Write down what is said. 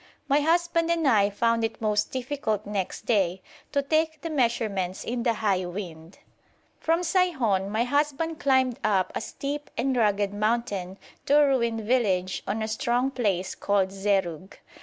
My husband and I found it most difficult next day to take the measurements in the high wind. From Saihon my husband climbed up a steep and rugged mountain to a ruined village on a strong place called Zerug.